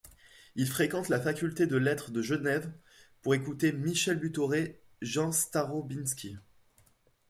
Il fréquente la faculté de lettres de Genève pour écouter Michel Butoret Jean Starobinski.